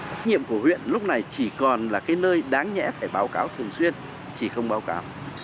trách nhiệm của huyện lúc này chỉ còn là cái nơi đáng nhẽ phải báo cáo thường xuyên chỉ không báo cáo